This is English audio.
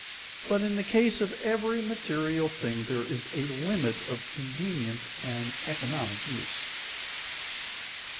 But in the case of every material thing there is a limit of convenient and economic use.